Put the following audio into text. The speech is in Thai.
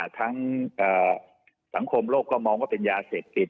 สังคมโลกก็มองว่าเป็นยาเสพติด